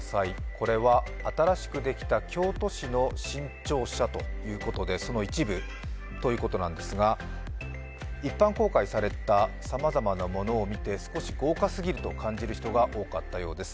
これは新しくできた京都市の新庁舎ということで、その一部ということなんですが、一般公開されたさまざまなものを見て、少し豪華すぎると感じる人が多かったようです。